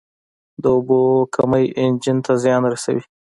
د اوبو کمی انجن ته زیان رسوي.